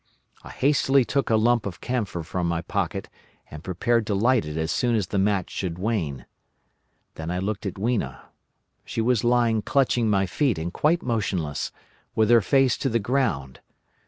I hastily took a lump of camphor from my pocket, and prepared to light it as soon as the match should wane. Then I looked at Weena. She was lying clutching my feet and quite motionless, with her face to the ground.